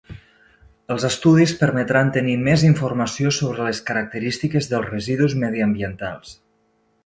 Els estudis permetran tenir més informació sobre les característiques dels residus mediambientals.